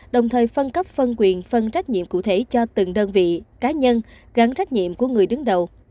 đồng thời phân cấp phân quyền phân trách nhiệm cụ thể cho từng đơn vị cá nhân gắn trách nhiệm của người đứng đầu